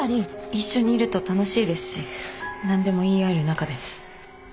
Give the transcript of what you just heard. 一緒にいると楽しいですし何でも言い合える仲です。